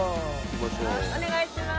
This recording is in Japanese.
お願いします。